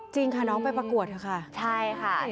จริงค่ะน้องไปประกวดค่ะค่ะ